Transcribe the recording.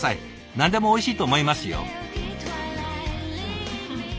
何でもおいしいと思いますよ。